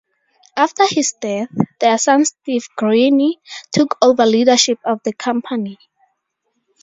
After his death, their son Steve Greene took over leadership of the company.